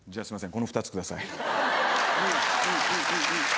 この２つ下さい。